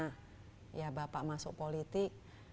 dua tiga ribuan riba nomor yang dibuka